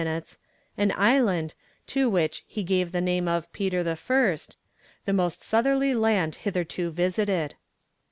92 degrees 20 minutes, an island, to which he gave the name of Peter I., the most southerly land hitherto visited.